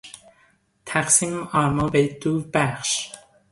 تقسیم آلمان به دو بخش